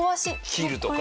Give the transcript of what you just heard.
切るとか？